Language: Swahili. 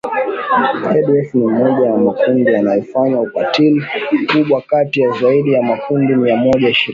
ADF ni mmoja ya makundi yanayofanya ukatili mkubwa kati ya zaidi ya makundi mia moja ishirini